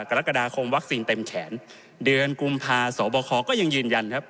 กรกฎาคมวัคซีนเต็มแขนเดือนกุมภาสบคก็ยังยืนยันครับ